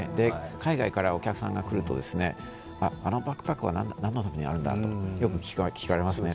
海外からお客さんが来るとあのバックパックは何のためにあるんだとよく聞かれますね。